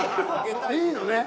いいのね？